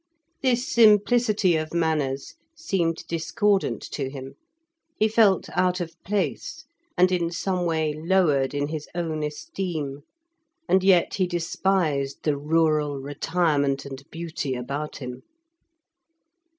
This simplicity of manners seemed discordant to him. He felt out of place, and in some way lowered in his own esteem, and yet he despised the rural retirement and beauty about him.